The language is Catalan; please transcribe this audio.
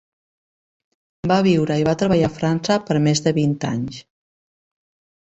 Va viure i va treballar a França per més de vint anys.